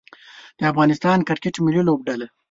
د افغانستان کرکټ ملي لوبډله